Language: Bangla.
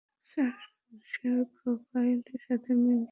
স্যার, সে প্রোফাইলের সাথে মিলেছে।